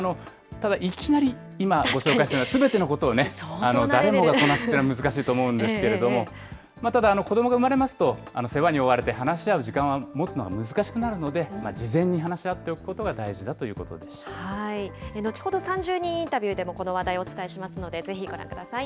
ただ、いきなり、今、ご紹介したようなすべてのことを誰もがこなすというのは難しいと思うんですけれども、ただ、子どもが産まれますと世話に追われて話し合う時間を持つのは難しくなるので、事前に話し合ってお後ほど３０人インタビューでもこの話題をお伝えしますので、ぜひご覧ください。